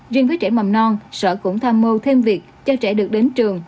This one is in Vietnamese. riêng với trẻ mầm non sở cũng tham mưu thêm việc cho trẻ được đến trường